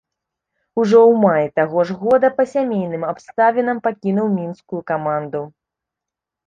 Ужо ў маі таго ж года па сямейным абставінам пакінуў мінскую каманду.